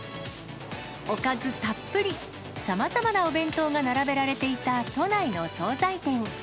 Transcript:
おかずたっぷり、さまざまなお弁当が並べられていた都内の総菜店。